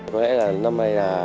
có lẽ là năm này là